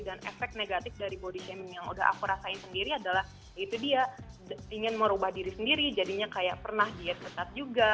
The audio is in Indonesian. dan efek negatif dari body shaming yang udah aku rasain sendiri adalah itu dia ingin merubah diri sendiri jadinya kayak pernah diet ketat juga